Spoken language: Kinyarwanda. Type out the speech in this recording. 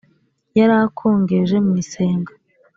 yarakongeje mu isenga,